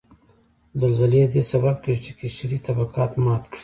زلزلې ددې سبب کیږي چې قشري طبقات مات کړي